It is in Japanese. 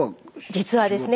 実はですね。